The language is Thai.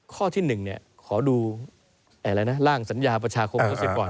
ข้อที่หนึ่งขอดูร่างสัญญาประชาคมของอภิษฐิตก่อน